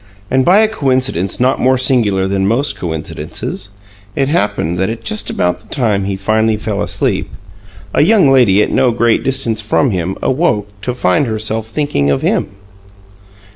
And by a coincidence not more singular than most coincidences, it happened that at just about the time he finally fell asleep, a young lady at no great distance from him awoke to find her self thinking of him.